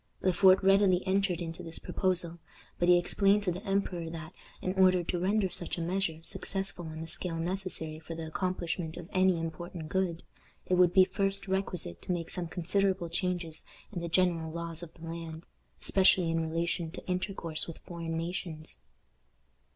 Le Fort readily entered into this proposal, but he explained to the emperor that, in order to render such a measure successful on the scale necessary for the accomplishment of any important good, it would be first requisite to make some considerable changes in the general laws of the land, especially in relation to intercourse with foreign nations.